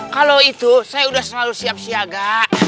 kalo itu saya udah selalu siap siaga